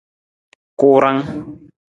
Kuurang.